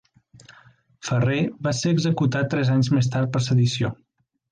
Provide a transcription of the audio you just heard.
Ferrer va ser executat tres anys més tard per sedició.